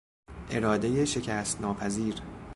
ارادهی شکست ناپذیر